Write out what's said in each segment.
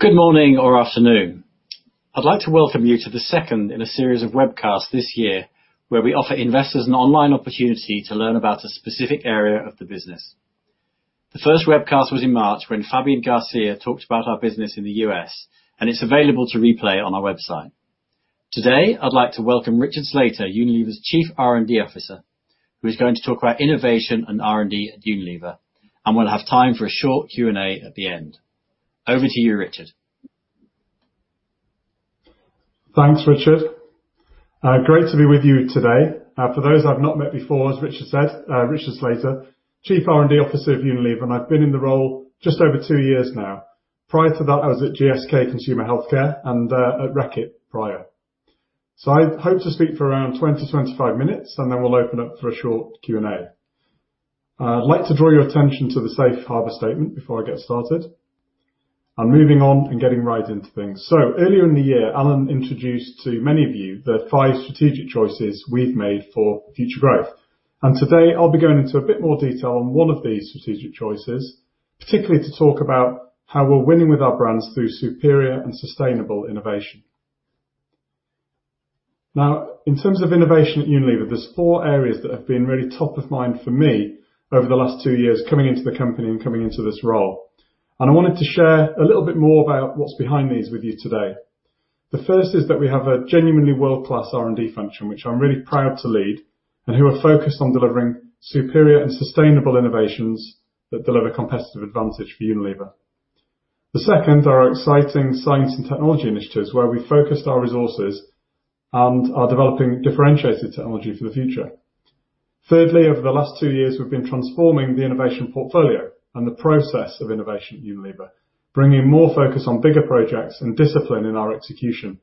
Good morning or afternoon. I'd like to welcome you to the second in a series of webcasts this year, where we offer investors an online opportunity to learn about a specific area of the business. The first webcast was in March when Fabian Garcia talked about our business in the U.S., and it's available to replay on our website. Today, I'd like to welcome Richard Slater, Unilever's Chief R&D Officer, who is going to talk about innovation and R&D at Unilever, and we'll have time for a short Q&A at the end. Over to you, Richard. Thanks, Richard. Great to be with you today. For those I've not met before, as Richard said, Richard Slater, Chief R&D Officer of Unilever, I've been in the role just over two years now. Prior to that, I was at GSK Consumer Healthcare and at Reckitt prior. I hope to speak for around 20-25 minutes, then we'll open up for a short Q&A. I'd like to draw your attention to the safe harbor statement before I get started. Moving on and getting right into things. Earlier in the year, Alan introduced to many of you the five strategic choices we've made for future growth. Today, I'll be going into a bit more detail on one of these strategic choices, particularly to talk about how we're winning with our brands through superior and sustainable innovation. Now, in terms of innovation at Unilever, there's four areas that have been really top of mind for me over the last two years, coming into the company and coming into this role. I wanted to share a little bit more about what's behind these with you today. The first is that we have a genuinely world-class R&D function, which I'm really proud to lead, and who are focused on delivering superior and sustainable innovations that deliver competitive advantage for Unilever. The second are exciting science and technology initiatives where we focused our resources and are developing differentiated technology for the future. Thirdly, over the last two years, we've been transforming the innovation portfolio and the process of innovation at Unilever, bringing more focus on bigger projects and discipline in our execution.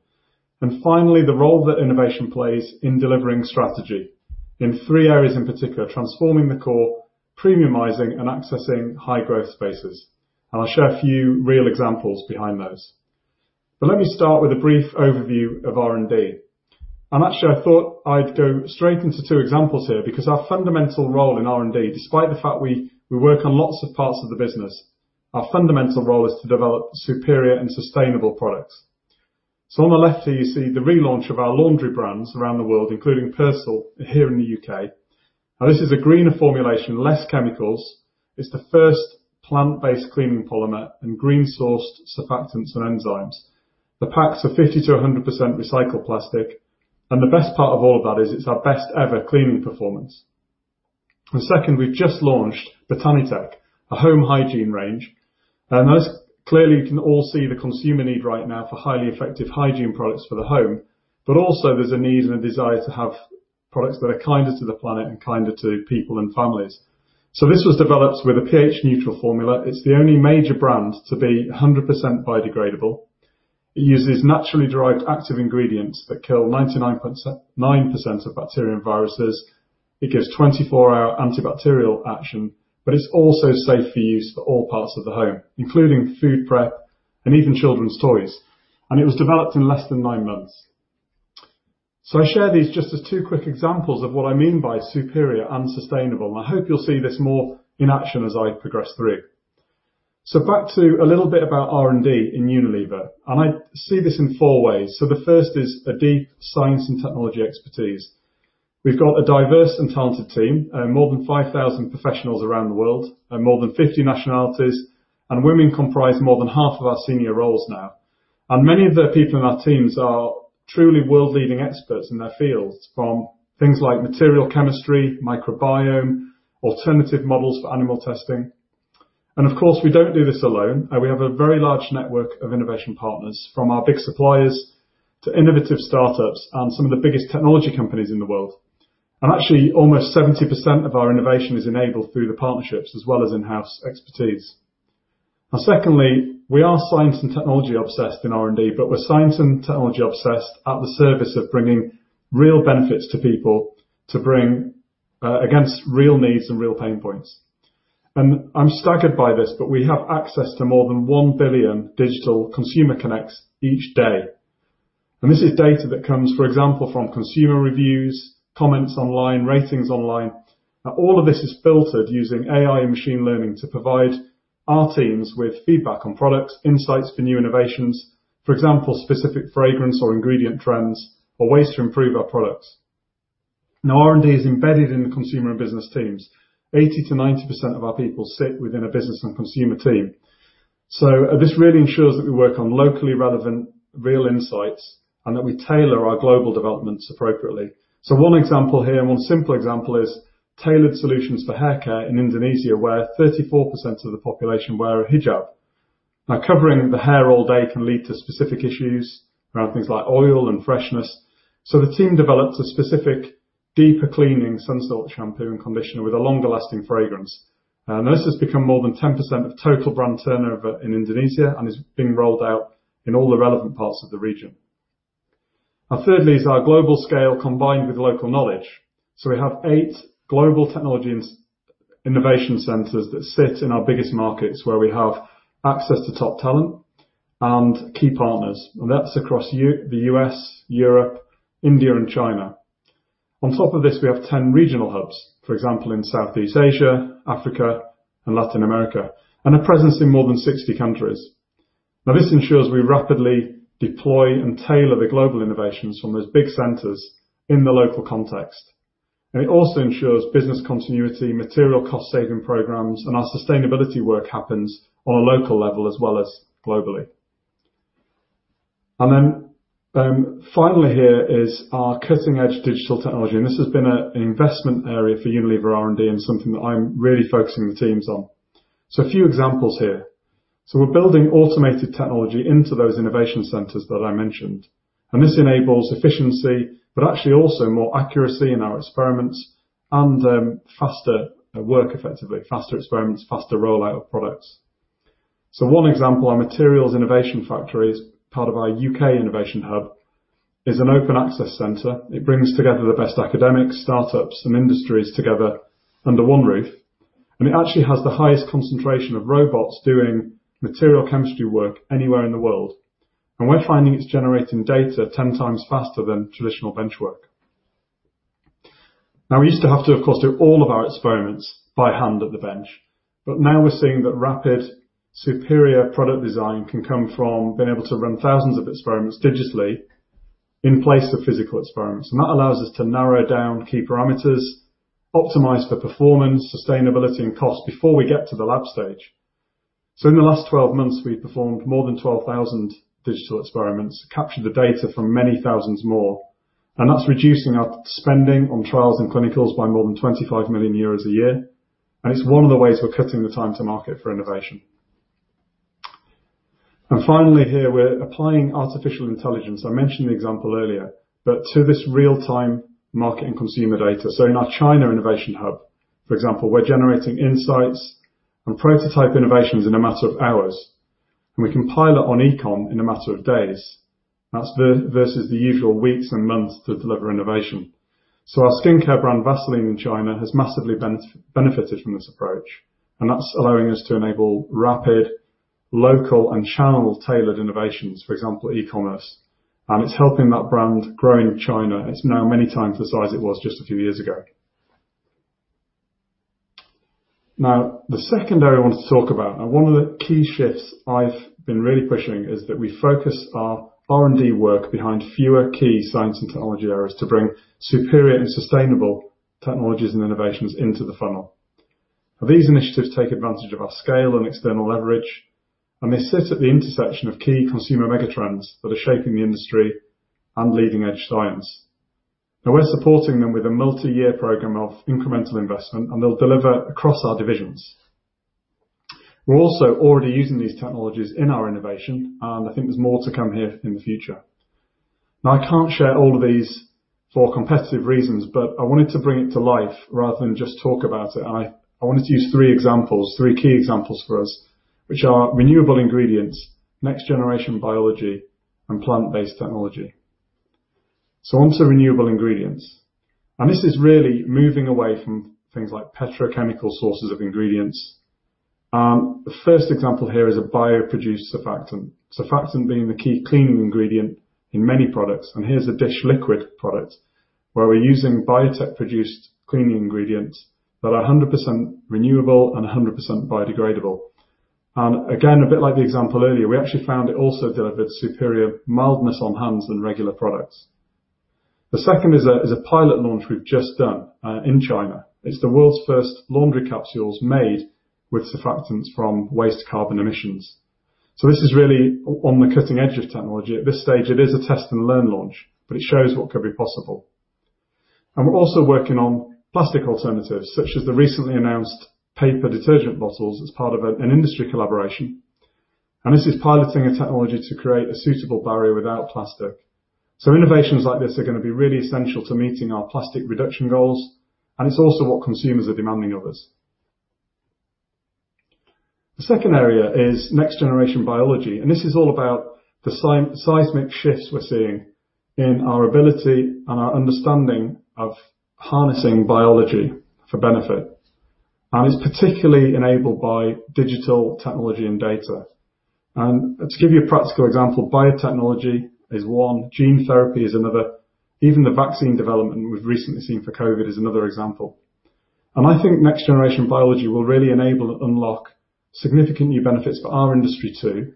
Finally, the role that innovation plays in delivering strategy in three areas in particular, transforming the core, premiumizing, and accessing high growth spaces. I'll share a few real examples behind those. Let me start with a brief overview of R&D. Actually, I thought I'd go straight into two examples here, because our fundamental role in R&D, despite the fact we work on lots of parts of the business, our fundamental role is to develop superior and sustainable products. On the left here, you see the relaunch of our laundry brands around the world, including Persil here in the U.K. This is a greener formulation, less chemicals. It's the first plant-based cleaning polymer and green sourced surfactants and enzymes. The packs are 50%-100% recycled plastic, and the best part of all that is it's our best ever cleaning performance. Second, we've just launched BotaniTech, a home hygiene range. As clearly you can all see the consumer need right now for highly effective hygiene products for the home, but also there's a need and a desire to have products that are kinder to the planet and kinder to people and families. This was developed with a pH neutral formula. It's the only major brand to be 100% biodegradable. It uses naturally derived active ingredients that kill 99.9% of bacteria and viruses. It gives 24-hour antibacterial action, but it's also safe for use for all parts of the home, including food prep and even children's toys. It was developed in less than nine months. I share these just as two quick examples of what I mean by superior and sustainable, and I hope you'll see this more in action as I progress through. Back to a little bit about R&D in Unilever, and I see this in four ways. The first is a deep science and technology expertise. We've got a diverse and talented team and more than 5,000 professionals around the world, and more than 50 nationalities, and women comprise more than 1/2 of our senior roles now. Many of the people in our teams are truly world leading experts in their fields from things like material chemistry, microbiome, alternative models for animal testing. Of course, we don't do this alone. We have a very large network of innovation partners, from our big suppliers to innovative startups and some of the biggest technology companies in the world. Actually, almost 70% of our innovation is enabled through the partnerships as well as in-house expertise. Secondly, we are science and technology obsessed in R&D, we're science and technology obsessed at the service of bringing real benefits to people to bring against real needs and real pain points. I'm staggered by this, we have access to more than 1 billion digital consumer connects each day. This is data that comes, for example, from consumer reviews, comments online, ratings online. All of this is filtered using AI machine learning to provide our teams with feedback on products, insights for new innovations, for example, specific fragrance or ingredient trends, or ways to improve our products. R&D is embedded in the consumer and business teams. 80%-90% of our people sit within a business and consumer team. This really ensures that we work on locally relevant real insights and that we tailor our global developments appropriately. One example here, one simple example is tailored solutions for hair care in Indonesia, where 34% of the population wear a hijab. Covering the hair all day can lead to specific issues around things like oil and freshness. The team developed a specific deeper cleaning Sunsilk shampoo and conditioner with a longer lasting fragrance. This has become more than 10% of total brand turnover in Indonesia and is being rolled out in all the relevant parts of the region. Thirdly is our global scale combined with local knowledge. We have eight global technology and innovation centers that sit in our biggest markets where we have access to top talent and key partners. That's across the U.S., Europe, India and China. On top of this, we have 10 regional hubs, for example, in Southeast Asia, Africa, and Latin America, and a presence in more than 60 countries. This ensures we rapidly deploy and tailor the global innovations from those big centers in the local context. It also ensures business continuity, material cost saving programs, and our sustainability work happens on a local level as well as globally. Finally here is our cutting edge digital technology, and this has been an investment area for Unilever R&D and something that I'm really focusing the teams on. A few examples here. We're building automated technology into those innovation centers that I mentioned, and this enables efficiency, but actually also more accuracy in our experiments and faster work effectively, faster experiments, faster rollout of products. One example, our materials innovation factories, part of our U.K. innovation hub, is an open access center. It brings together the best academics, startups, and industries together under one roof. It actually has the highest concentration of robots doing material chemistry work anywhere in the world. We're finding it's generating data 10 times faster than traditional bench work. Now, we used to have to, of course, do all of our experiments by hand at the bench, but now we're seeing that rapid, superior product design can come from being able to run 1,000s of experiments digitally in place of physical experiments. That allows us to narrow down key parameters, optimize for performance, sustainability, and cost before we get to the lab stage. In the last 12 months, we've performed more than 12,000 digital experiments to capture the data from many thousands more, and that's reducing our spending on trials and clinicals by more than 25 million euros a year, and it's one of the ways we're cutting the time to market for innovation. Finally here, we're applying artificial intelligence. I mentioned the example earlier, but to this real time market and consumer data. In our China innovation hub, for example, we're generating insights and prototype innovations in a matter of hours, and we can pilot on e-com in a matter of days. That's versus the usual weeks and months to deliver innovation. Our skincare brand, Vaseline in China, has massively benefited from this approach, and that's allowing us to enable rapid, local, and channel tailored innovations, for example, e-commerce. It's helping that brand grow in China. It's now many times the size it was just a few years ago. Now, the second area I want to talk about, now one of the key shifts I've been really pushing is that we focus our R&D work behind fewer key science and technology areas to bring superior and sustainable technologies and innovations into the funnel. Now these initiatives take advantage of our scale and external leverage, and they sit at the intersection of key consumer megatrends that are shaping the industry and leading edge science. Now we're supporting them with a multi-year program of incremental investment, and they'll deliver across our divisions. We're also already using these technologies in our innovation, and I think there's more to come here in the future. Now, I can't share all of these for competitive reasons, but I wanted to bring it to life rather than just talk about it. I wanted to use three examples, three key examples for us, which are renewable ingredients, next generation biology, and plant-based technology. Onto renewable ingredients. This is really moving away from things like petrochemical sources of ingredients. The first example here is a bio-produced surfactant. Surfactant being the key cleaning ingredient in many products, and here's a dish liquid product where we're using biotech produced cleaning ingredients that are 100% renewable and 100% biodegradable. Again, a bit like the example earlier, we actually found it also delivered superior mildness on hands than regular products. The second is a pilot launch we've just done in China. It's the world's first laundry capsules made with surfactants from waste carbon emissions. This is really on the cutting edge of technology. At this stage, it is a test and learn launch, but it shows what could be possible. We're also working on plastic alternatives such as the recently announced paper detergent bottles as part of an industry collaboration. This is piloting a technology to create a suitable barrier without plastic. Innovations like this are going to be really essential to meeting our plastic reduction goals, and it's also what consumers are demanding of us. The second area is next generation biology, and this is all about the seismic shifts we're seeing in our ability and our understanding of harnessing biology for benefit, and it's particularly enabled by digital technology and data. To give you a practical example, biotechnology is one, gene therapy is another. Even the vaccine development we've recently seen for COVID is another example. I think next generation biology will really enable and unlock significant new benefits for our industry too,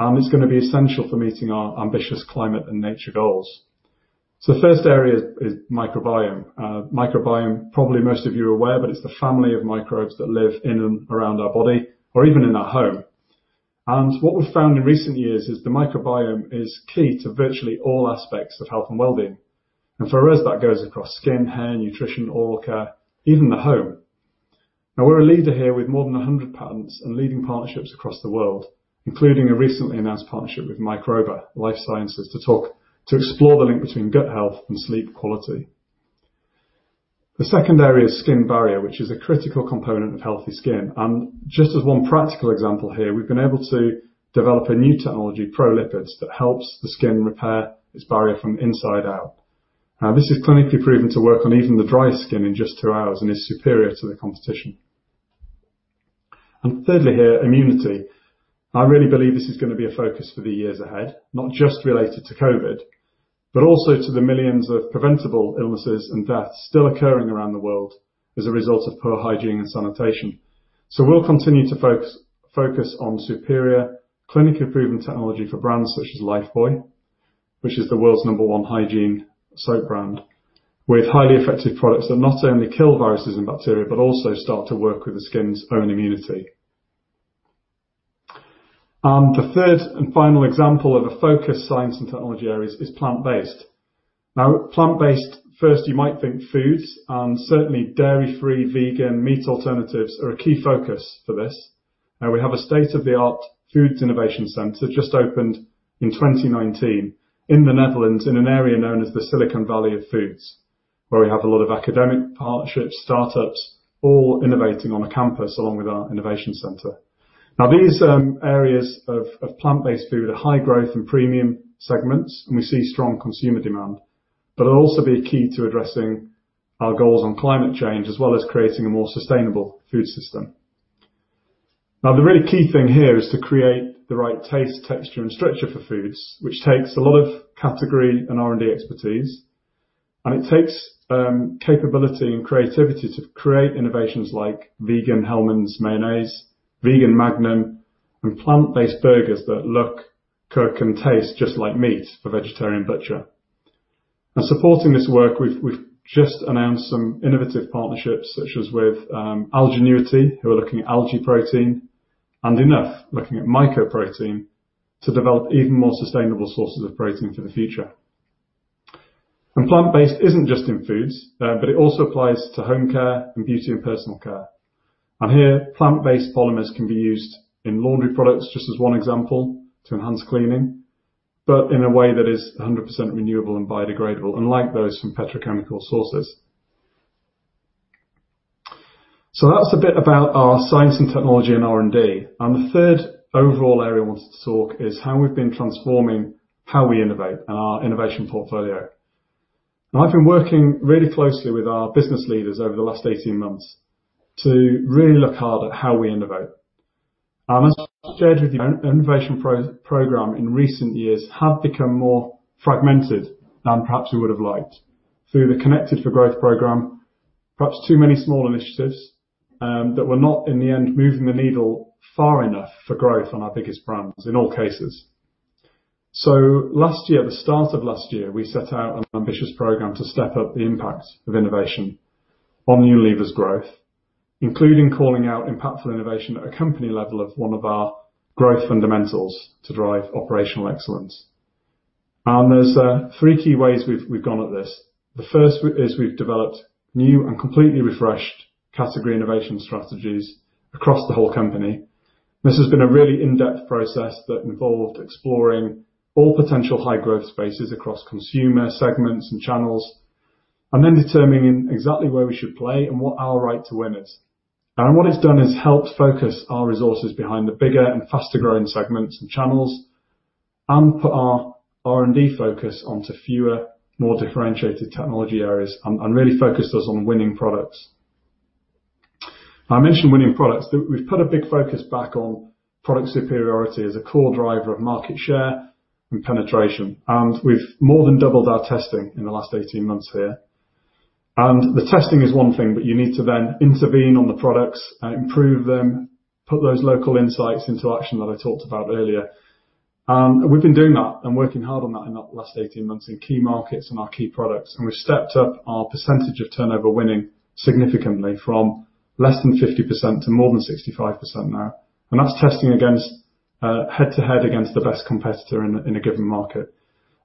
and it's going to be essential for meeting our ambitious climate and nature goals. The first area is microbiome. microbiome, probably most of you are aware, but it's the family of microbes that live in and around our body or even in our home. What we've found in recent years is the microbiome is key to virtually all aspects of health and wellbeing. For us, that goes across skin, hair, nutrition, oral care, even the home. Now, we're a leader here with more than 100 patents and leading partnerships across the world, including a recently announced partnership with Microba Life Sciences to explore the link between gut health and sleep quality. The second area is skin barrier, which is a critical component of healthy skin. Just as one practical example here, we've been able to develop a new technology, Pro-Lipids, that helps the skin repair its barrier from inside out. This is clinically proven to work on even the dry skin in just two hours and is superior to the competition. Thirdly here, immunity. I really believe this is going to be a focus for the years ahead, not just related to COVID, but also to the millions of preventable illnesses and deaths still occurring around the world as a result of poor hygiene and sanitation. We'll continue to focus on superior clinical proven technology for brands such as Lifebuoy, which is the world's number one hygiene soap brand, with highly effective products that not only kill viruses and bacteria, but also start to work with the skin's own immunity. The third and final example of a focus science and technology areas is plant-based. Plant-based, first, you might think foods. Certainly dairy-free vegan meat alternatives are a key focus for this. We have a state-of-the-art foods innovation center just opened in 2019 in the Netherlands in an area known as the Silicon Valley of Foods, where we have a lot of academic partnerships, startups, all innovating on a campus along with our innovation center. These areas of plant-based food are high growth and premium segments. We see strong consumer demand. It'll also be key to addressing our goals on climate change as well as creating a more sustainable food system. The really key thing here is to create the right taste, texture, and structure for foods, which takes a lot of category and R&D expertise, and it takes capability and creativity to create innovations like vegan Hellmann's Mayonnaise, vegan Magnum, and plant-based burgers that look, cook, and taste just like meat for Vegetarian Butcher. Supporting this work, we've just announced some innovative partnerships, such as with Algenuity, who are looking at algae protein, and Enough, looking at mycoprotein, to develop even more sustainable sources of protein for the future. Plant-based isn't just in foods, but it also applies to home care and beauty and personal care. Here, plant-based polymers can be used in laundry products, just as one example, to enhance cleaning, but in a way that is 100% renewable and biodegradable, unlike those from petrochemical sources. That's a bit about our science and technology and R&D. The third overall area I want us to talk is how we've been transforming how we innovate and our innovation portfolio. I've been working really closely with our business leaders over the last 18 months to really look hard at how we innovate. As I shared with you, innovation program in recent years have become more fragmented than perhaps we would have liked. Through the Connected for Growth program, perhaps too many small initiatives that were not, in the end, moving the needle far enough for growth on our biggest brands in all cases. Last year, the start of last year, we set out an ambitious program to step up the impact of innovation on Unilever's growth, including calling out impactful innovation at a company level of one of our growth fundamentals to drive operational excellence. There's three key ways we've gone at this. The first is we've developed new and completely refreshed category innovation strategies across the whole company. This has been a really in-depth process that involved exploring all potential high growth spaces across consumer segments and channels, determining exactly where we should play and what our right to win is. What it's done is helped focus our resources behind the bigger and faster growing segments and channels and put our R&D focus onto fewer, more differentiated technology areas and really focused us on winning products. I mentioned winning products. We've put a big focus back on product superiority as a core driver of market share and penetration. We've more than doubled our testing in the last 18 months here. The testing is one thing, you need to then intervene on the products, improve them, put those local insights into action that I talked about earlier. We've been doing that and working hard on that in the last 18 months in key markets and our key products. We've stepped up our % of turnover winning significantly from less than 50% to more than 65% now. That's testing head-to-head against the best competitor in a given market.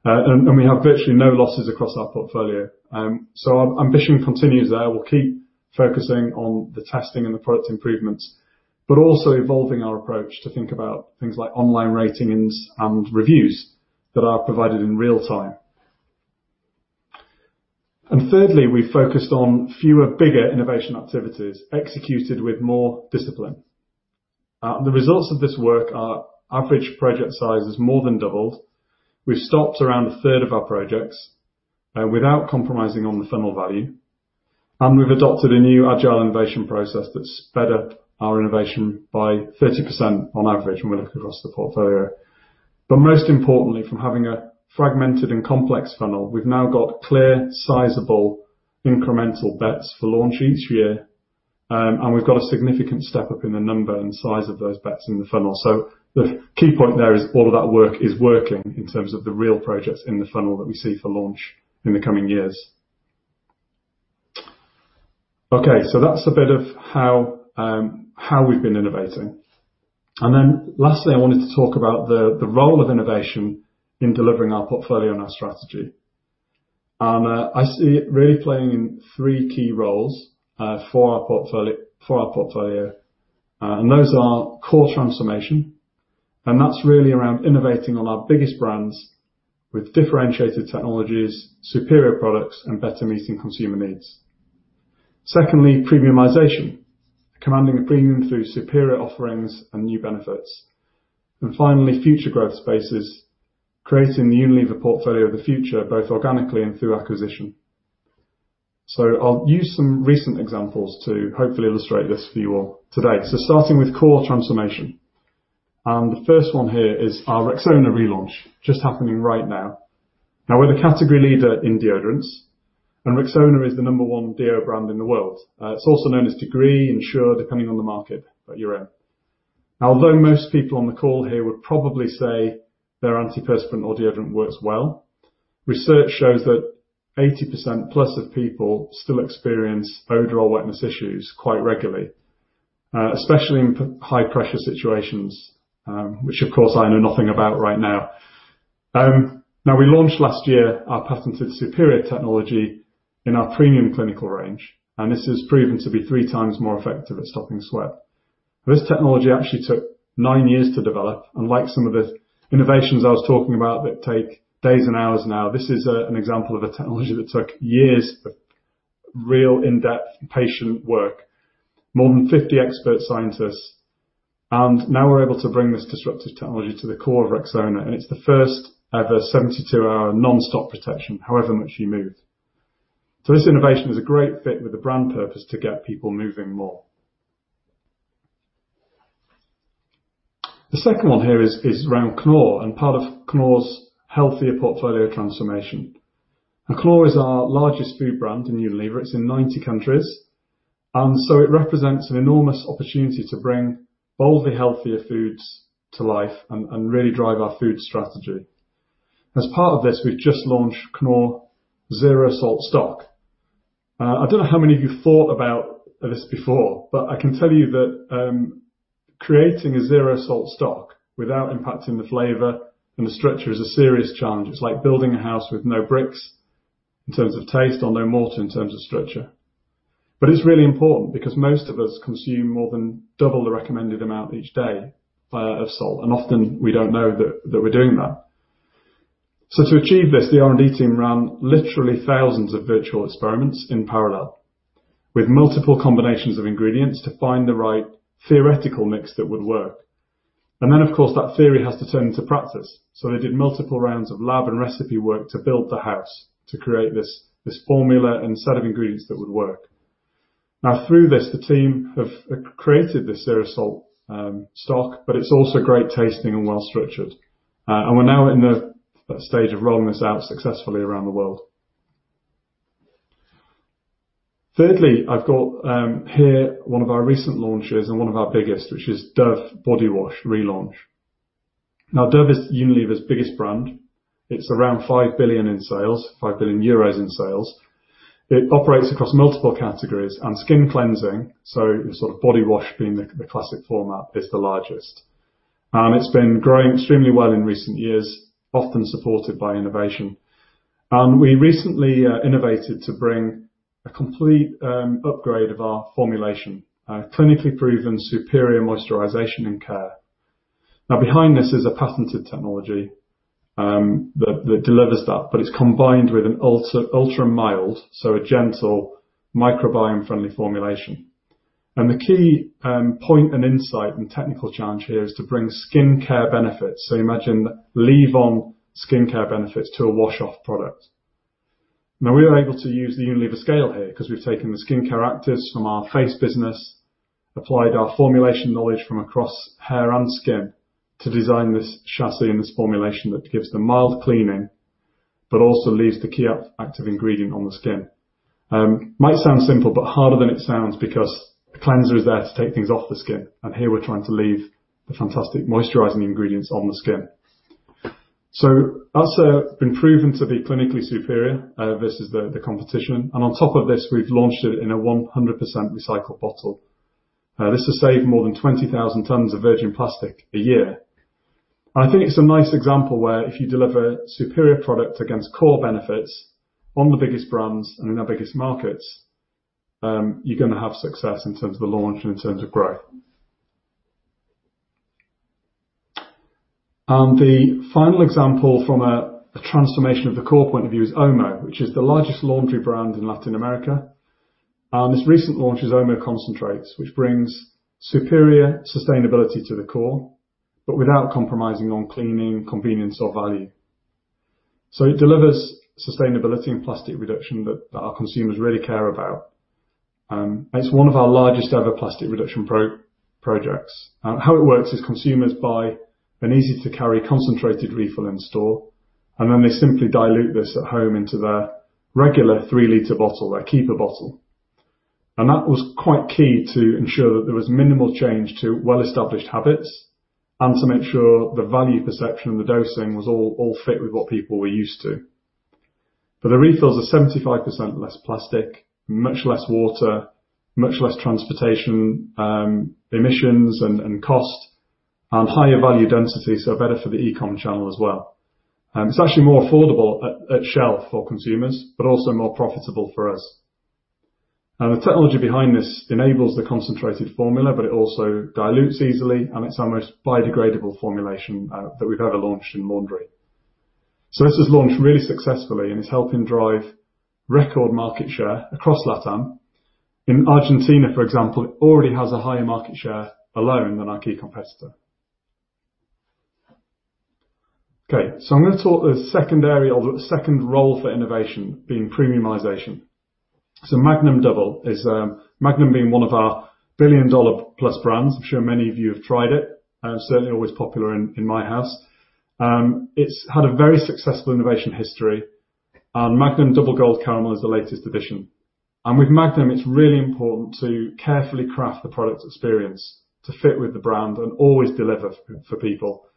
We have virtually no losses across our portfolio. Our ambition continues there. We'll keep focusing on the testing and the product improvements, but also evolving our approach to think about things like online ratings and reviews that are provided in real time. Thirdly, we focused on fewer, bigger innovation activities executed with more discipline. The results of this work are average project size has more than doubled. We've stopped around a third of our projects without compromising on the funnel value, and we've adopted a new agile innovation process that sped up our innovation by 30% on average when we look across the portfolio. Most importantly, from having a fragmented and complex funnel, we've now got clear, sizable incremental bets for launch each year, and we've got a significant step up in the number and size of those bets in the funnel. The key point there is all of that work is working in terms of the real projects in the funnel that we see for launch in the coming years. That's a bit of how we've been innovating. Lastly, I wanted to talk about the role of innovation in delivering our portfolio and our strategy. I see it really playing three key roles for our portfolio, and those are core transformation, and that's really around innovating on our biggest brands with differentiated technologies, superior products, and better meeting consumer needs. Secondly, premiumization, commanding a premium through superior offerings and new benefits. Finally, future growth spaces, creating the Unilever portfolio of the future, both organically and through acquisition. I'll use some recent examples to hopefully illustrate this for you all today. Starting with core transformation. The first one here is our Rexona relaunch, just happening right now. Now we're the category leader in deodorants, and Rexona is the number one deo brand in the world. It's also known as Degree and Sure, depending on the market that you're in. Now, although most people on the call here would probably say their antiperspirant or deodorant works well, research shows that 80%+ of people still experience odor or wetness issues quite regularly, especially in high pressure situations, which, of course, I know nothing about right now. Now we launched last year our patented Superior Technology in our premium clinical range, and this has proven to be three times more effective at stopping sweat. This technology actually took nine years to develop, unlike some of the innovations I was talking about that take days and hours now. This is an example of a technology that took years of real in-depth patient work, more than 50 expert scientists, and now we're able to bring this disruptive technology to the core of Rexona, and it's the first ever 72-hour nonstop protection, however much you move. This innovation was a great fit with the brand purpose to get people moving more. The second one here is around Knorr and part of Knorr's healthier portfolio transformation. Knorr is our largest food brand in Unilever. It's in 90 countries. It represents an enormous opportunity to bring boldly healthier foods to life and really drive our food strategy. As part of this, we've just launched Knorr Zero Salt Bouillon. I don't know how many of you thought about this before, I can tell you that creating a zero salt stock without impacting the flavor and the structure is a serious challenge. It's like building a house with no bricks in terms of taste or no mortar in terms of structure. It's really important because most of us consume more than 2x the recommended amount each day of salt, and often we don't know that we're doing that. To achieve this, the R&D team ran literally thousands of virtual experiments in parallel with multiple combinations of ingredients to find the right theoretical mix that would work. Of course, that theory has to turn into practice. They did multiple rounds of lab and recipe work to build the house, to create this formula and set of ingredients that would work. Through this, the team have created this Knorr Zero Salt Bouillon, it's also great tasting and well-structured. We're now in the stage of rolling this out successfully around the world. Thirdly, I've got here one of our recent launches and one of our biggest, which is Dove Body Wash relaunch. Dove is Unilever's biggest brand. It's around 5 billion in sales, 5 billion euros in sales. It operates across multiple categories and skin cleansing, so your sort of body wash being the classic format, is the largest. It's been growing extremely well in recent years, often supported by innovation. We recently innovated to bring a complete upgrade of our formulation, a clinically proven superior moisturization and care. Behind this is a patented technology that delivers that, it's combined with an ultra-mild, so a gentle microbiome friendly formulation. The key point and insight and technical challenge here is to bring skincare benefits. Imagine leave-on skincare benefits to a wash-off product. Now, we were able to use the Unilever scale here because we've taken the skincare actives from our face business, applied our formulation knowledge from across hair and skin to design this chassis and this formulation that gives the mild cleaning, but also leaves the key active ingredient on the skin. Might sound simple, but harder than it sounds because the cleanser is there to take things off the skin, and here we're trying to leave the fantastic moisturizing ingredients on the skin. Also been proven to be clinically superior versus the competition. On top of this, we've launched it in a 100% recycled bottle. This has saved more than 20,000 tons of virgin plastic a year. I think it's a nice example where if you deliver superior product against core benefits on the biggest brands and in our biggest markets, you're going to have success in terms of the launch and in terms of growth. The final example from a transformation of the core point of view is Omo, which is the largest laundry brand in Latin America. This recent launch is Omo Concentrates, which brings superior sustainability to the core, but without compromising on cleaning, convenience or value. It delivers sustainability and plastic reduction that our consumers really care about. It's one of our largest ever plastic reduction projects. How it works is consumers buy an easy to carry concentrated refill in store, and then they simply dilute this at home into their regular three liter bottle, their keeper bottle. That was quite key to ensure that there was minimal change to well-established habits and to make sure the value perception of the dosing was all fit with what people were used to. The refills are 75% less plastic, much less water, much less transportation emissions and cost, and higher value density, so better for the e-com channel as well. It's actually more affordable at shelf for consumers, but also more profitable for us. The technology behind this enables the concentrated formula, but it also dilutes easily, and it's our most biodegradable formulation that we've ever launched in laundry. This was launched really successfully and is helping drive record market share across LatAm. In Argentina, for example, it already has a higher market share alone than our key competitor. Okay. I'm going to talk the second area or the second role for innovation being premiumization. Magnum Double, Magnum being one of our billion-dollar plus brands. I'm sure many of you have tried it, and certainly always popular in my house. It's had a very successful innovation history, and Magnum Double Gold Caramel is the latest edition. With Magnum, it's really important to carefully craft the product experience to fit with the brand and always deliver for people.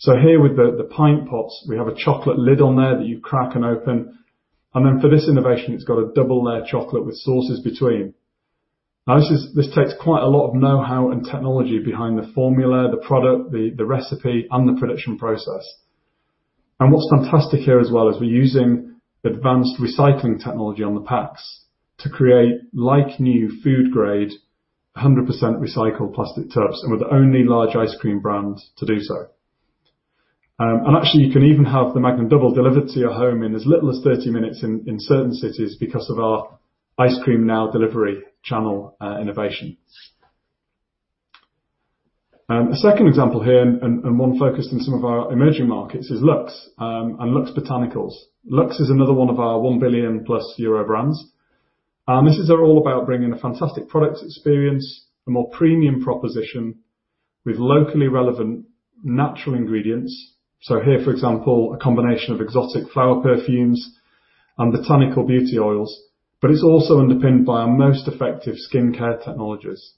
Here with the pint pots, we have a chocolate lid on there that you crack and open. For this innovation, it's got a double layer chocolate with sauces between. Now, this takes quite a lot of know-how and technology behind the formula, the product, the recipe, and the production process. What's fantastic here as well is we're using advanced recycling technology on the packs to create like-new food grade, 100% recycled plastic tubs, and we're the only large ice cream brand to do so. Actually, you can even have the Magnum Double delivered to your home in as little as 30 minutes in certain cities because of our ice cream now delivery channel innovations. The second example here, and one focused in some of our emerging markets, is Lux and Lux Botanicals. Lux is another one of our 1 billion euro+ brands. This is all about bringing a fantastic product experience, a more premium proposition with locally relevant natural ingredients. Here, for example, a combination of exotic flower perfumes and botanical beauty oils, it's also underpinned by our most effective skincare technologies.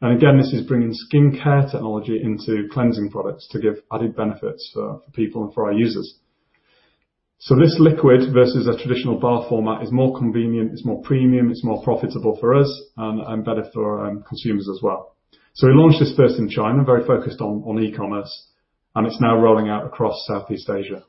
Again, this is bringing skincare technology into cleansing products to give added benefits for people and for our users. This liquid versus a traditional bar format is more convenient, it's more premium, it's more profitable for us, and better for our consumers as well. We launched this first in China, very focused on e-commerce, and it's now rolling out across Southeast Asia.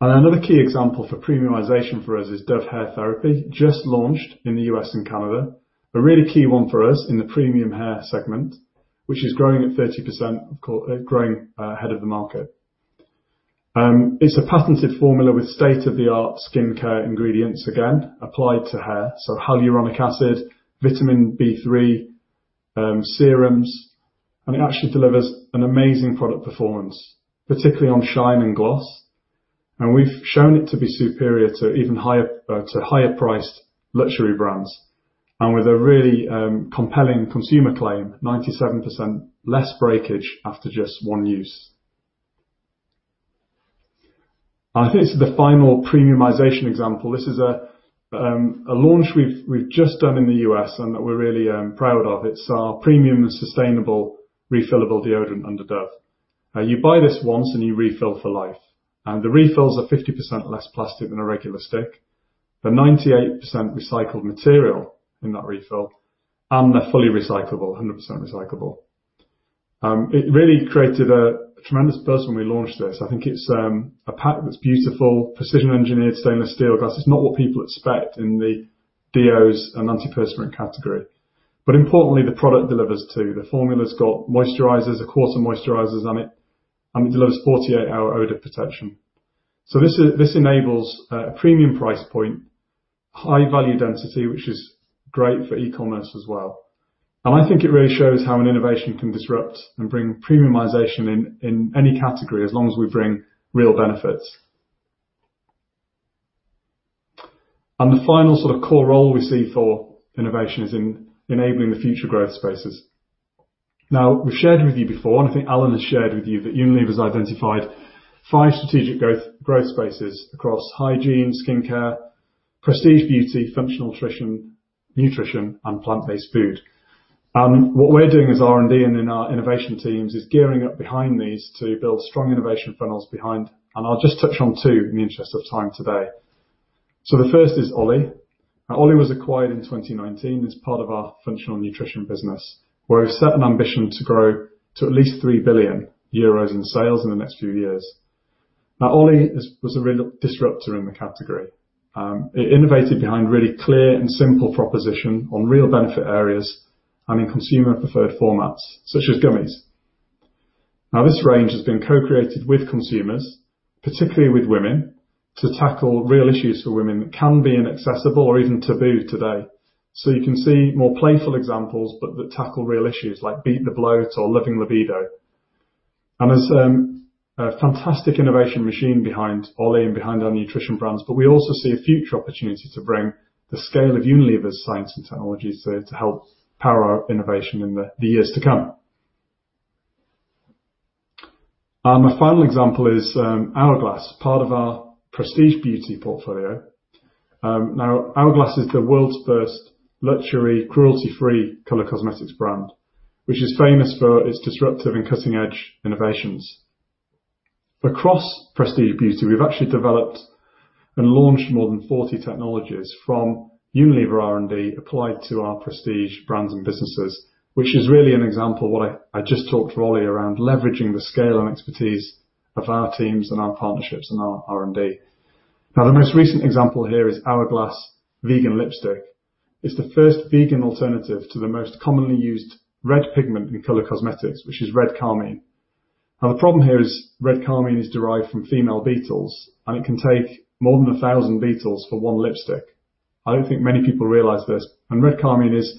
Another key example for premiumization for us is Dove Hair Therapy, just launched in the U.S. and Canada. A really key one for us in the premium hair segment, which is growing at 30%, growing ahead of the market. It's a patented formula with state-of-the-art skincare ingredients, again, applied to hair. Hyaluronic acid, vitamin B3, serums, and it actually delivers an amazing product performance, particularly on shine and gloss. We've shown it to be superior to higher priced luxury brands, and with a really compelling consumer claim, 97% less breakage after just one use. I think this is the final premiumization example. This is a launch we've just done in the U.S., and that we're really proud of. It's our premium sustainable refillable deodorant under Dove. Now you buy this once, and you refill for life. The refills are 50% less plastic than a regular stick. They're 98% recycled material in that refill, and they're fully recyclable, 100% recyclable. It really created a tremendous buzz when we launched this. I think it's a pack that's beautiful, precision engineered stainless steel glass. It's not what people expect in the DEOs and antiperspirant category. Importantly, the product delivers too. The formula's got moisturizers, a quarter moisturizers on it, and it delivers 48-hour odor protection. This enables a premium price point, high value density, which is great for e-commerce as well. I think it really shows how an innovation can disrupt and bring premiumization in any category, as long as we bring real benefits. The final sort of core role we see for innovation is in enabling the future growth spaces. We've shared with you before, and I think Alan has shared with you that Unilever's identified five Strategic Growth Spaces across Hygiene, Skincare, Prestige Beauty, Functional Nutrition, and Plant-Based Food. What we're doing as R&D and in our innovation teams is gearing up behind these to build strong innovation funnels behind, and I'll just touch on two in the interest of time today. The first is OLLY. OLLY was acquired in 2019 as part of our functional nutrition business, where we've set an ambition to grow to at least 3 billion euros in sales in the next few years. OLLY was a real disruptor in the category. It innovated behind really clear and simple proposition on real benefit areas and in consumer preferred formats such as gummies. This range has been co-created with consumers, particularly with women, to tackle real issues for women that can be inaccessible or even taboo today. You can see more playful examples, but that tackle real issues like Beat the Bloat or Lovin' Libido. There's a fantastic innovation machine behind OLLY and behind our nutrition brands, but we also see a future opportunity to bring the scale of Unilever's science and technologies to help power our innovation in the years to come. My final example is Hourglass, part of our prestige beauty portfolio. Hourglass is the world's first luxury cruelty-free color cosmetics brand, which is famous for its disruptive and cutting-edge innovations. Across prestige beauty, we've actually developed and launched more than 40 technologies from Unilever R&D applied to our prestige brands and businesses, which is really an example what I just talked for OLLY around leveraging the scale and expertise of our teams and our partnerships and our R&D. The most recent example here is Hourglass vegan lipstick. It's the first vegan alternative to the most commonly used red pigment in color cosmetics, which is red carmine. The problem here is red carmine is derived from female beetles, and it can take more than 1,000 beetles for one lipstick. I don't think many people realize this, Red carmine is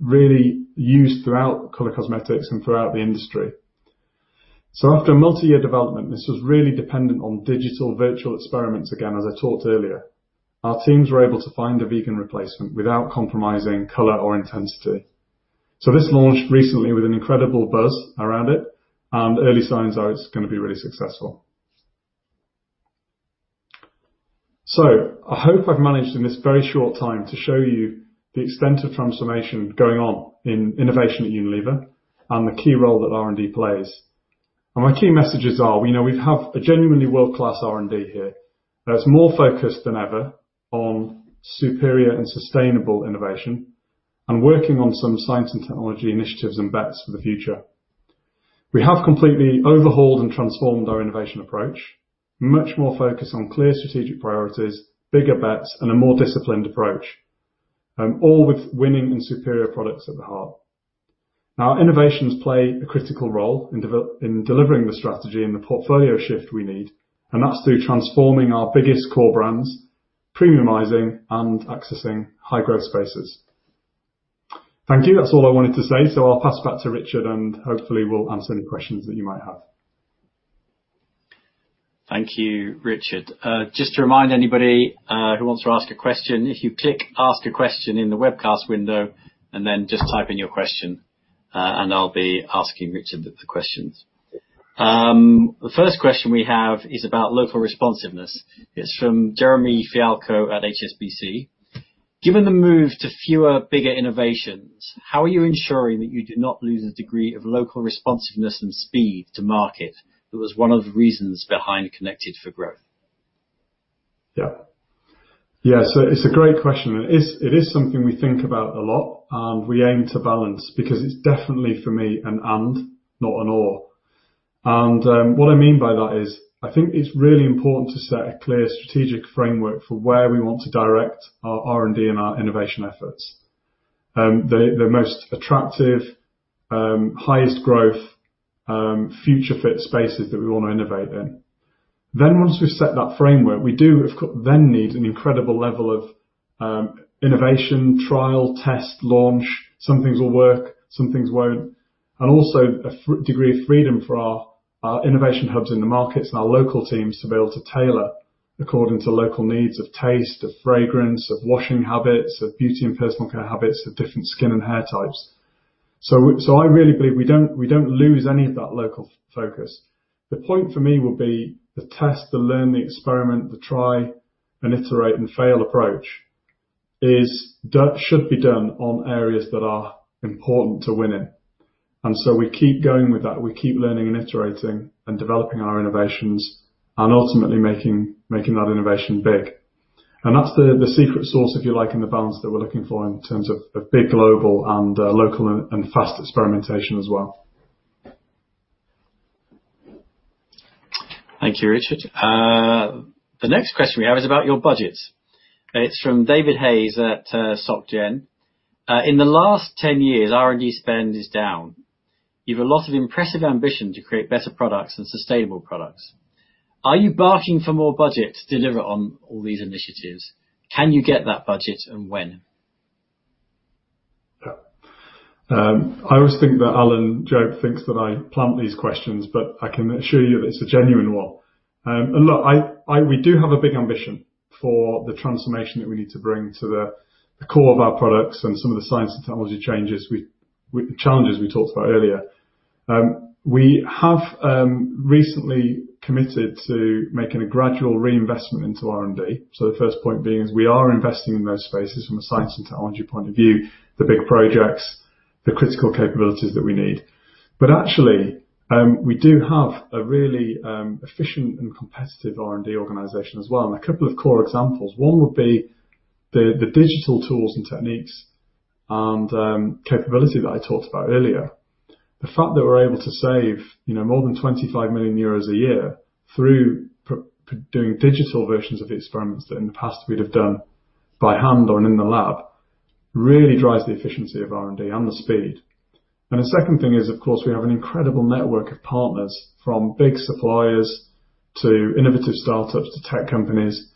really used throughout color cosmetics and throughout the industry. After multi-year development, this was really dependent on digital virtual experiments, again, as I talked earlier. Our teams were able to find a vegan replacement without compromising color or intensity. This launched recently with an incredible buzz around it, and early signs are it's going to be really successful. I hope I've managed in this very short time to show you the extent of transformation going on in innovation at Unilever and the key role that R&D plays. My key messages are, we have a genuinely world-class R&D here that's more focused than ever on superior and sustainable innovation and working on some science and technology initiatives and bets for the future. We have completely overhauled and transformed our innovation approach, much more focused on clear strategic priorities, bigger bets, and a more disciplined approach. All with winning and superior products at the heart. Now, innovations play a critical role in delivering the strategy and the portfolio shift we need, and that's through transforming our biggest core brands, premiumizing, and accessing high growth spaces. Thank you. That's all I wanted to say. I'll pass it back to Richard, and hopefully, we'll answer any questions that you might have. Thank you, Richard. Just to remind anybody who wants to ask a question, if you click Ask a Question in the webcast window, then just type in your question, I'll be asking Richard the questions. The first question we have is about local responsiveness. It's from Jeremy Fialko at HSBC. Given the move to fewer, bigger innovations, how are you ensuring that you do not lose a degree of local responsiveness and speed to market? That was one of the reasons behind Connected for Growth. Yeah. It's a great question, and it is something we think about a lot, and we aim to balance because it's definitely for me an and, not an or. What I mean by that is, I think it's really important to set a clear strategic framework for where we want to direct our R&D and our innovation efforts. The most attractive, highest growth, future fit spaces that we want to innovate in. Once we've set that framework, we do then need an incredible level of innovation, trial, test, launch. Some things will work, some things won't. Also a degree of freedom for our innovation hubs in the markets and our local teams to be able to tailor according to local needs of taste, of fragrance, of washing habits, of beauty and personal care habits, of different skin and hair types. I really believe we don't lose any of that local focus. The point for me would be the test, the learn, the experiment, the try and iterate and fail approach should be done on areas that are important to winning. We keep going with that. We keep learning and iterating and developing our innovations and ultimately making that innovation big. That's the secret sauce, if you like, and the balance that we're looking for in terms of big global and local and fast experimentation as well. Thank you, Richard. The next question we have is about your budget. It's from David Hayes at Société Générale. In the last 10 years, R&D spend is down. You've a lot of impressive ambition to create better products and sustainable products. Are you backing for more budget to deliver on all these initiatives? Can you get that budget, and when? Yeah. I always think that Alan Jope thinks that I plant these questions, but I can assure you that it is a genuine one. Look, we do have a big ambition for the transformation that we need to bring to the core of our products and some of the science and technology changes, challenges we talked about earlier. We have recently committed to making a gradual reinvestment into R&D. The first point being is we are investing in those spaces from a science and technology point of view, the big projects, the critical capabilities that we need. Actually, we do have a really efficient and competitive R&D organization as well. A couple of core examples. One would be the digital tools and techniques and capability that I talked about earlier. The fact that we're able to save more than 25 million euros a year through doing digital versions of the experiments that in the past we'd have done by hand or in the lab, really drives the efficiency of R&D and the speed. The second thing is, of course, we have an incredible network of partners, from big suppliers to innovative startups to tech companies.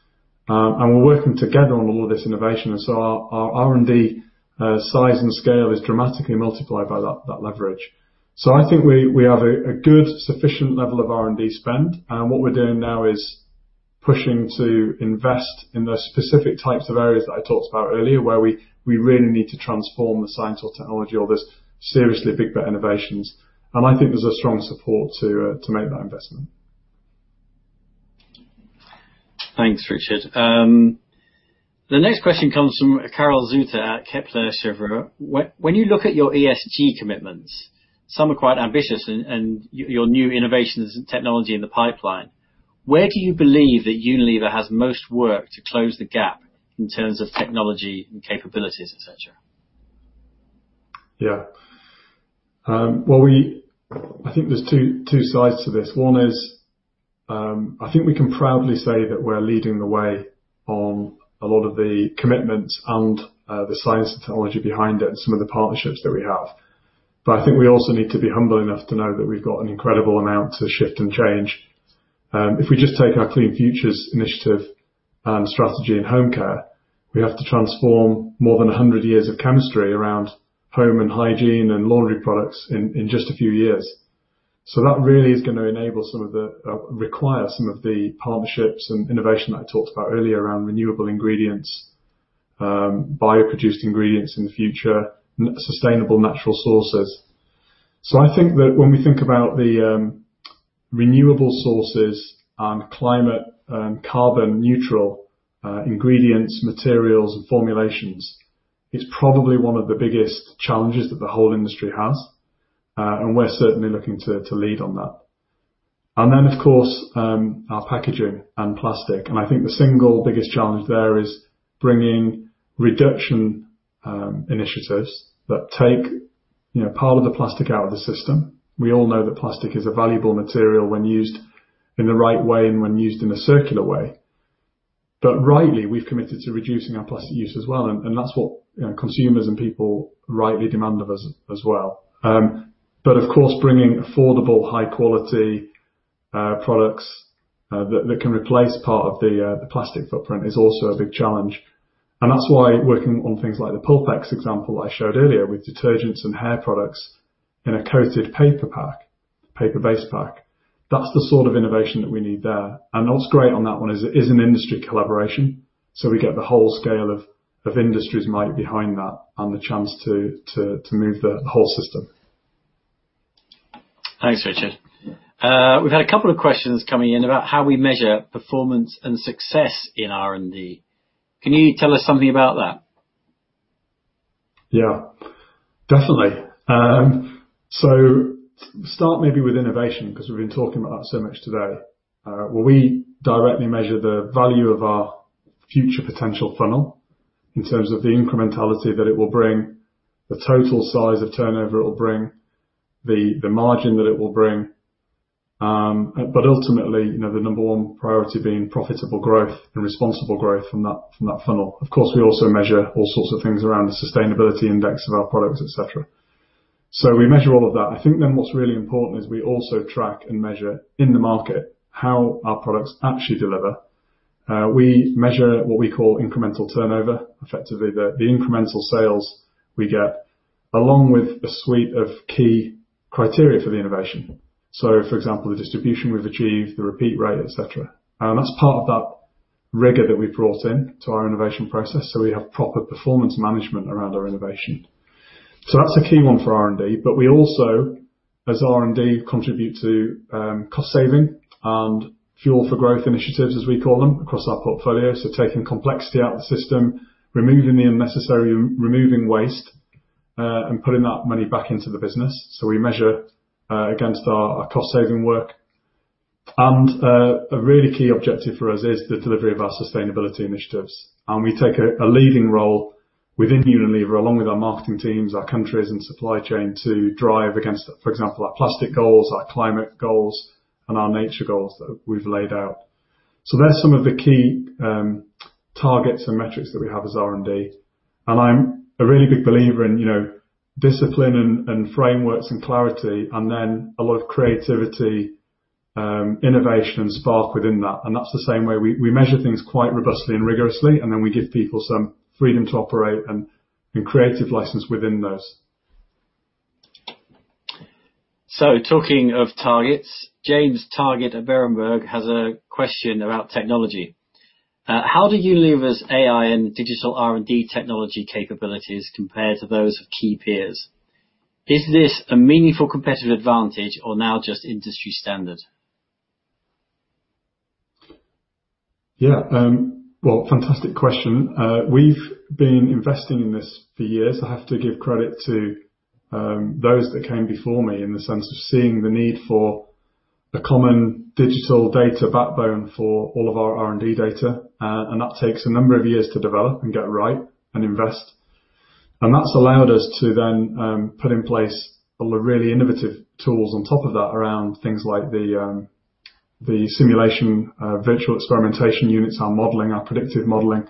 We're working together on all of this innovation, and so our R&D size and scale is dramatically multiplied by that leverage. I think we have a good sufficient level of R&D spend, and what we're doing now is pushing to invest in the specific types of areas that I talked about earlier, where we really need to transform the science or technology or those seriously big bet innovations. I think there's a strong support to make that investment. Thanks, Richard. The next question comes from Karel Zoete at Kepler Cheuvreux. When you look at your ESG commitments, some are quite ambitious and your new innovations and technology in the pipeline, where do you believe that Unilever has most work to close the gap in terms of technology and capabilities, et cetera? Yeah. I think there's two sides to this. One is, I think we can proudly say that we're leading the way on a lot of the commitments and the science and technology behind it and some of the partnerships that we have. I think we also need to be humble enough to know that we've got an incredible amount to shift and change. If we just take our Clean Future initiative strategy in home care, we have to transform more than 100 years of chemistry around home and hygiene and laundry products in just a few years. That really is going to require some of the partnerships and innovation I talked about earlier around renewable ingredients, bioproduced ingredients in the future, sustainable natural sources. I think that when we think about the renewable sources and climate and carbon neutral ingredients, materials, and formulations, it's probably one of the biggest challenges that the whole industry has, and we're certainly looking to lead on that. Then, of course, our packaging and plastic, and I think the single biggest challenge there is bringing reduction initiatives that take part of the plastic out of the system. We all know that plastic is a valuable material when used in the right way and when used in a circular way. Rightly, we've committed to reducing our plastic use as well, and that's what consumers and people rightly demand of us as well. Of course, bringing affordable, high-quality products that can replace part of the plastic footprint is also a big challenge. That's why working on things like the Pulpex example I showed earlier with detergents and hair products in a coated paper pack, paper-based pack, that's the sort of innovation that we need there. What's great on that one is it is an industry collaboration, so we get the whole scale of industry's might behind that and the chance to move the whole system. Thanks, Richard. We've had a couple of questions coming in about how we measure performance and success in R&D. Can you tell us something about that? Yeah, definitely. Start maybe with innovation because we've been talking about that so much today. Well, we directly measure the value of our future potential funnel in terms of the incrementality that it will bring, the total size of turnover it will bring, the margin that it will bring. Ultimately, the number one priority being profitable growth and responsible growth from that funnel. Of course, we also measure all sorts of things around the sustainability index of our products, et cetera. We measure all of that. I think then what's really important is we also track and measure in the market how our products actually deliver. We measure what we call incremental turnover, effectively the incremental sales we get, along with a suite of key criteria for the innovation. For example, the distribution we've achieved, the repeat rate, et cetera. That's part of that rigor that we've brought in to our innovation process, so we have proper performance management around our innovation. That's a key one for R&D. We also, as R&D, contribute to cost saving and fuel for growth initiatives, as we call them, across our portfolio. Taking complexity out of the system, removing the unnecessary, removing waste, and putting that money back into the business. We measure against our cost saving work. A really key objective for us is the delivery of our sustainability initiatives, and we take a leading role within Unilever, along with our marketing teams, our countries, and supply chain to drive against, for example, our plastic goals, our climate goals, and our nature goals that we've laid out. They're some of the key targets and metrics that we have as R&D. I'm a really big believer in discipline and frameworks and clarity, and then a lot of creativity, innovation, and spark within that. That's the same way we measure things quite robustly and rigorously, and then we give people some freedom to operate and creative license within those. Talking of targets, James Targett at Berenberg has a question about technology. How did Unilever's AI and digital R&D technology capabilities compare to those of key peers? Is this a meaningful competitive advantage or now just industry standard? Yeah. Well, fantastic question. We've been investing in this for years. I have to give credit to those that came before me in the sense of seeing the need for a common digital data backbone for all of our R&D data, and that takes a number of years to develop and get right and invest. That's allowed us to then put in place a lot of really innovative tools on top of that around things like the simulation virtual experimentation units, our modeling, our predictive modeling.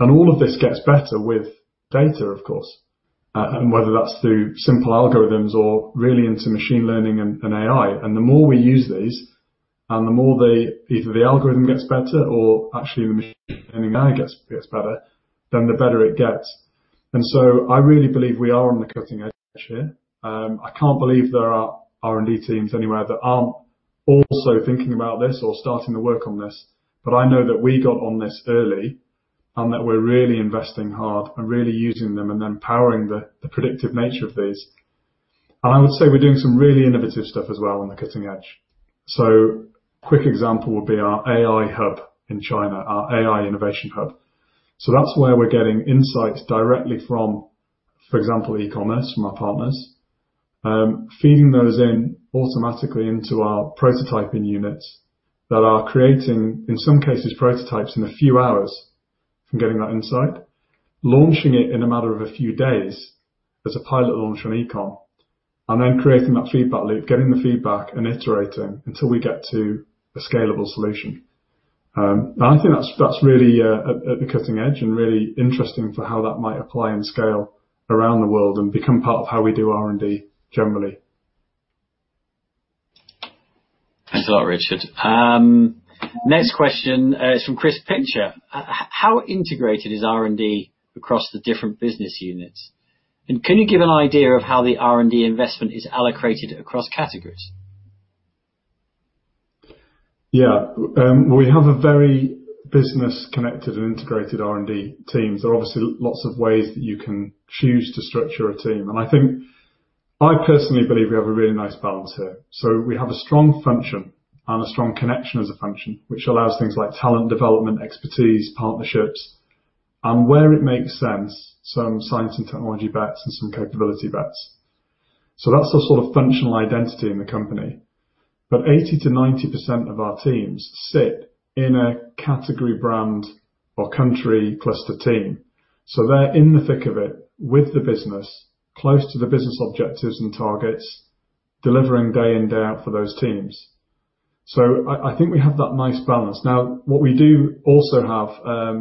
All of this gets better with data, of course, whether that's through simple algorithms or really into machine learning and AI. The more we use these, the more either the algorithm gets better or actually the machine learning AI gets better, then the better it gets. I really believe we are on the cutting edge here. I can't believe there are R&D teams anywhere that aren't also thinking about this or starting to work on this. I know that we got on this early, and that we're really investing hard and really using them and then powering the predictive nature of these. I would say we're doing some really innovative stuff as well on the cutting edge. A quick example would be our AI hub in China, our AI innovation hub. That's where we're getting insights directly from, for example, e-commerce from our partners, feeding those in automatically into our prototyping units that are creating, in some cases, prototypes in a few hours from getting that insight, launching it in a matter of a few days as a pilot launch on e-com, and then creating that feedback loop, getting the feedback, and iterating until we get to a scalable solution. I think that's really at the cutting edge and really interesting for how that might apply and scale around the world and become part of how we do R&D generally. Thanks a lot, Richard. Next question is from Chris Pitcher. How integrated is R&D across the different business units? Can you give an idea of how the R&D investment is allocated across categories? Yeah. We have a very business-connected and integrated R&D teams. There are obviously lots of ways that you can choose to structure a team, and I think I personally believe we have a really nice balance here. We have a strong function and a strong connection as a function, which allows things like talent development, expertise, partnerships, and where it makes sense, some science and technology bets and some capability bets. That's the sort of functional identity in the company. 80%-90% of our teams sit in a category brand or country cluster team. They're in the thick of it with the business, close to the business objectives and targets, delivering day in, day out for those teams. I think we have that nice balance. Now, what we do also have,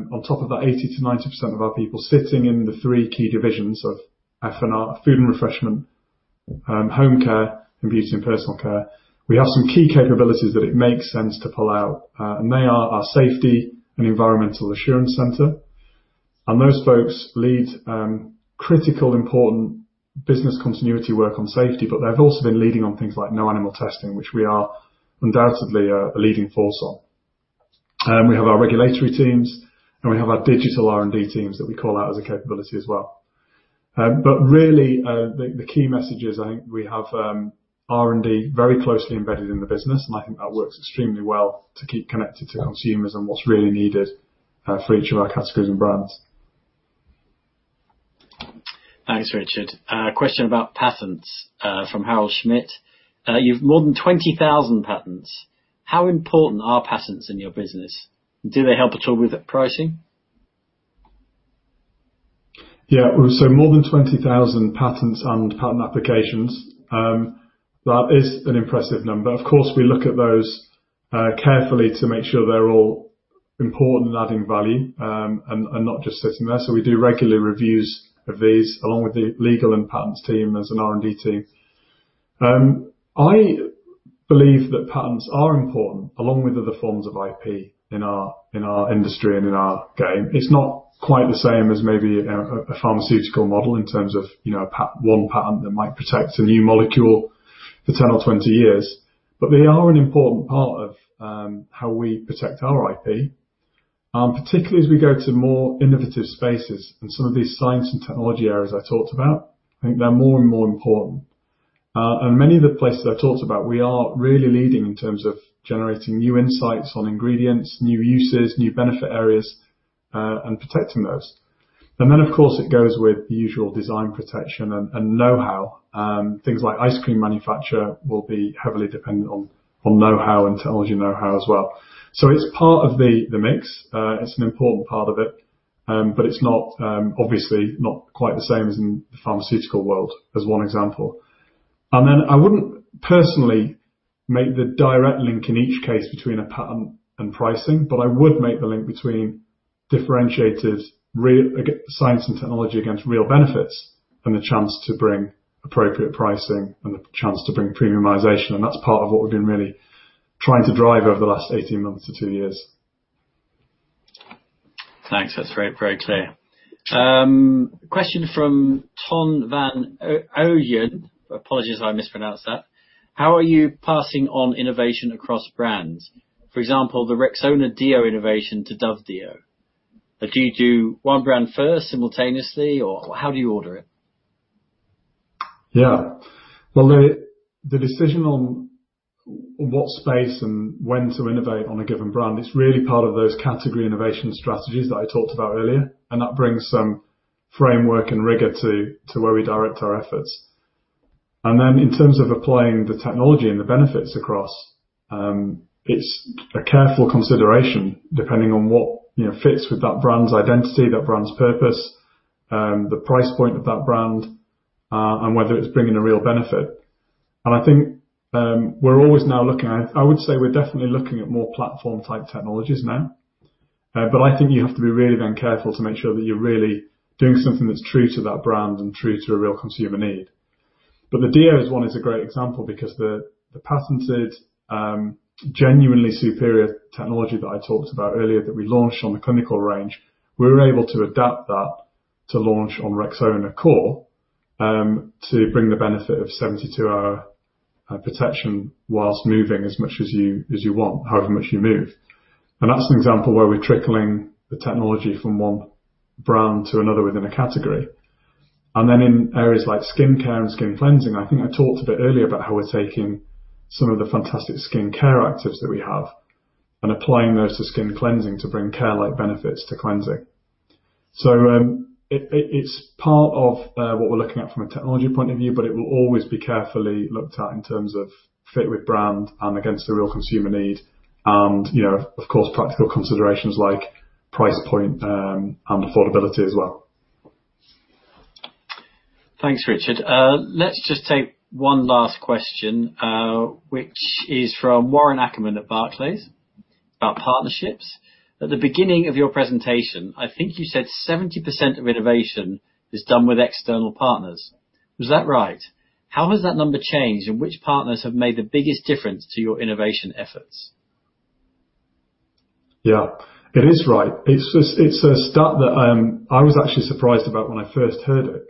on top of that 80%-90% of our people sitting in the three key divisions of F&R, food and refreshment, home care, and beauty and personal care. We have some key capabilities that it makes sense to pull out, and they are our Safety and Environmental Assurance Center. Those folks lead critical important business continuity work on safety. They've also been leading on things like no animal testing, which we are undoubtedly a leading force on. We have our regulatory teams, and we have our digital R&D teams that we call out as a capability as well. Really, the key message is, I think we have R&D very closely embedded in the business, and I think that works extremely well to keep connected to consumers and what's really needed for each of our categories and brands. Thanks, Richard. A question about patents from Harold Schmidt. You've more than 20,000 patents. How important are patents in your business? Do they help at all with the pricing? Yeah. More than 20,000 patents and patent applications. That is an impressive number. Of course, we look at those carefully to make sure they're all important in adding value, and not just sitting there. We do regular reviews of these along with the legal and patents team as an R&D team. I believe that patents are important along with other forms of IP in our industry and in our game. It's not quite the same as maybe a pharmaceutical model in terms of one patent that might protect a new molecule for 10 or 20 years. They are an important part of how we protect our IP. Particularly as we go to more innovative spaces and some of these science and technology areas I talked about, I think they're more and more important. Many of the places I talked about, we are really leading in terms of generating new insights on ingredients, new uses, new benefit areas, and protecting those. Of course, it goes with the usual design protection and know-how. Things like ice cream manufacture will be heavily dependent on know-how and technology know-how as well. It's part of the mix. It's an important part of it. It's obviously not quite the same as in the pharmaceutical world as one example. I wouldn't personally make the direct link in each case between a patent and pricing, but I would make the link between differentiators, science and technology against real benefits and the chance to bring appropriate pricing and the chance to bring premiumization. That's part of what we've been really trying to drive over the last 18 months to two years. Thanks. That's very clear. Question from Jeannette van Oyen. Apologies if I mispronounced that. How are you passing on innovation across brands? For example, the Rexona deo innovation to Dove deo. Do you do one brand first simultaneously, or how do you order it? Yeah. Well, the decision on what space and when to innovate on a given brand, it's really part of those category innovation strategies that I talked about earlier, and that brings some framework and rigor to where we direct our efforts. In terms of applying the technology and the benefits across, it's a careful consideration, depending on what fits with that brand's identity, that brand's purpose, the price point of that brand, and whether it's bringing a real benefit. I think we're always now looking at, I would say we're definitely looking at more platform-type technologies now. I think you have to be really then careful to make sure that you're really doing something that's true to that brand and true to a real consumer need. The deo one is a great example because the patented, genuinely superior technology that I talked about earlier that we launched on the clinical range, we were able to adapt that to launch on Rexona Core, to bring the benefit of 72-hour protection whilst moving as much as you want, however much you move. That's an example where we're trickling the technology from one brand to another within a category. Then in areas like skincare and skin cleansing, I think I talked a bit earlier about how we're taking some of the fantastic skincare actives that we have and applying those to skin cleansing to bring care-like benefits to cleansing. It's part of what we're looking at from a technology point of view, but it will always be carefully looked at in terms of fit with brand and against the real consumer need and of course, practical considerations like price point and affordability as well. Thanks, Richard. Let's just take one last question, which is from Warren Ackerman at Barclays about partnerships. At the beginning of your presentation, I think you said 70% of innovation is done with external partners. Was that right? How has that number changed, and which partners have made the biggest difference to your innovation efforts? Yeah, it is right. It's a stat that I was actually surprised about when I first heard it,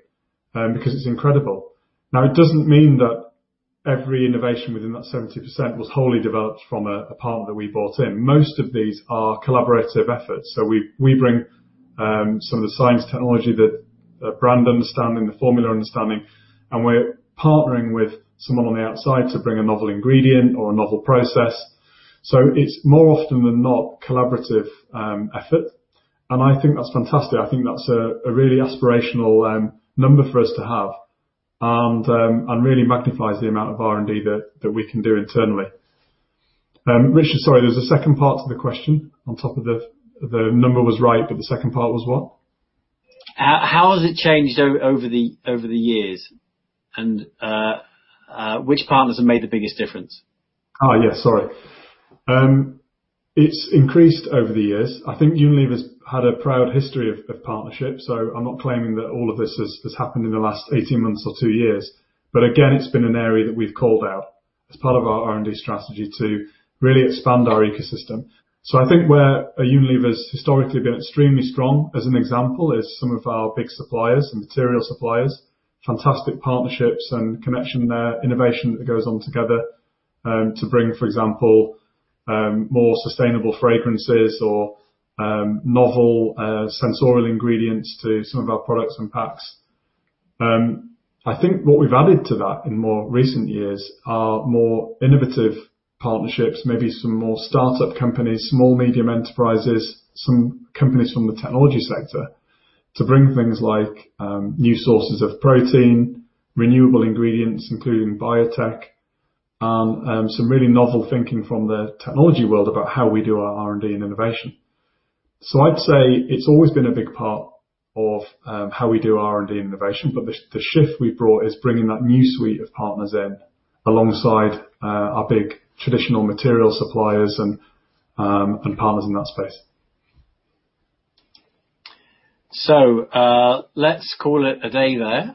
because it's incredible. It doesn't mean that every innovation within that 70% was wholly developed from a partner that we brought in. Most of these are collaborative efforts. We bring some of the science technology, the brand understanding, the formula understanding, and we're partnering with someone on the outside to bring a novel ingredient or a novel process. It's more often than not collaborative effort, and I think that's fantastic. I think that's a really aspirational number for us to have and really magnifies the amount of R&D that we can do internally. Richard, sorry, there was a second part to the question on top of the number was right, the second part was what? How has it changed over the years and which partners have made the biggest difference? Yes, sorry. It's increased over the years. I think Unilever's had a proud history of partnership, so I'm not claiming that all of this has happened in the last 18 months or two years. Again, it's been an area that we've called out as part of our R&D strategy to really expand our ecosystem. I think where Unilever's historically been extremely strong, as an example, is some of our big suppliers and material suppliers, fantastic partnerships and connection there, innovation that goes on together, to bring, for example, more sustainable fragrances or novel sensorial ingredients to some of our products and packs. I think what we've added to that in more recent years are more innovative partnerships, maybe some more startup companies, small medium enterprises, some companies from the technology sector to bring things like new sources of protein, renewable ingredients, including biotech, and some really novel thinking from the technology world about how we do our R&D and innovation. I'd say it's always been a big part of how we do R&D and innovation, but the shift we've brought is bringing that new suite of partners in alongside our big traditional material suppliers and partners in that space. Let's call it a day there.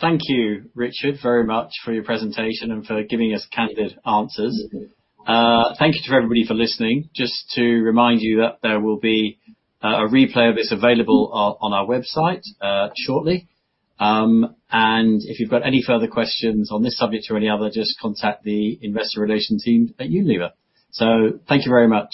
Thank you, Richard, very much for your presentation and for giving us candid answers. Thank you to everybody for listening. Just to remind you that there will be a replay of this available on our website shortly. If you've got any further questions on this subject or any other, just contact the investor relations team at Unilever. Thank you very much.